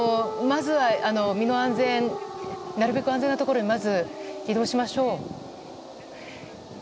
まずは身の安全なるべく安全なところに移動しましょう。